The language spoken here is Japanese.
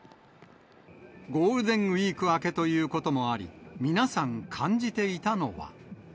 ゴールデンウィーク明けということもあり、皆さん、感じていたのは。